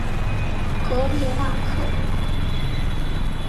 戈利纳克。